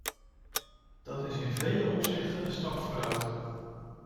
Dat is in vele opzichten een stap vooruit.